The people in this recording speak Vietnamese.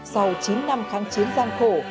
sau chín năm kháng chiến gian khổ